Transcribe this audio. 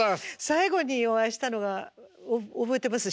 最後にお会いしたのが覚えてます？